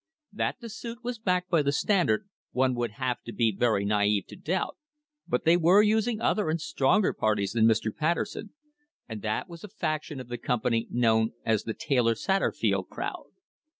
That the suit was backed by the Standard, one would have to be very na'ive to doubt, but they were using other and stronger parties than Mr. Patterson, and that was a faction of the company known as the "Taylor Satterfield crowd."